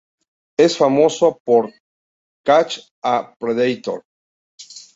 Es famoso por "To Catch a Predator".